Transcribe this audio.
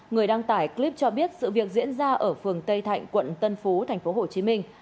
người đăng tải clip cho biết sự việc diễn ra ở phường tây thạnh quận tân phú tp hcm